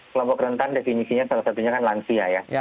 kelompok rentan definisinya salah satunya kan lansia ya